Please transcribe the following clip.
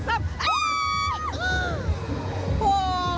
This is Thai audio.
โอ้โห